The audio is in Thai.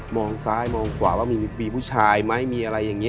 ซ้ายมองขวาว่ามีผู้ชายไหมมีอะไรอย่างนี้